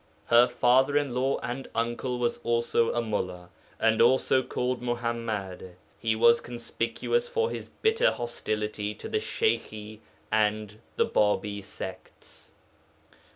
Her father in law and uncle was also a mullā, and also called Muḥammad; he was conspicuous for his bitter hostility to the Sheykhi and the Bābī sects.